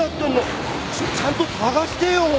ちゃんと捜してよ。